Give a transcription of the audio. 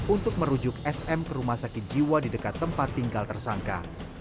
untuk merujuk sm ke rumah sakit jiwa di dekat tempat tinggal tersangka